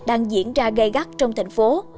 đang diễn ra gây gắt trong thành phố